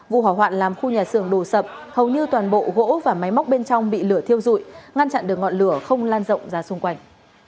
vụ hỏa hoạn làm khu nhà xưởng đổ sập hầu như toàn bộ gỗ và máy móc bên trong bị lửa thiêu dụi ngăn chặn được ngọn lửa không lan rộng ra xung quanh